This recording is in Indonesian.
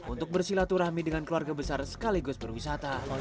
untuk bersilaturahmi dengan keluarga besar sekaligus berwisata